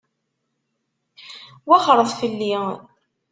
Wexxṛet fell-i.